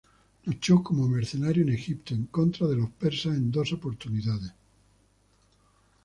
Luchó como mercenario en Egipto, en contra de los persas, en dos oportunidades.